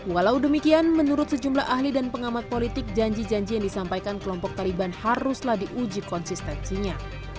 walau demikian menurut sejumlah ahli dan pengamat politik janji janji yang disampaikan kelompok taliban haruslah diuji konsistensinya